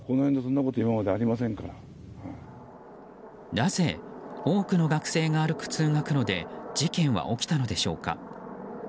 なぜ多くの学生が歩く通学路で事件は起きたのでしょうか。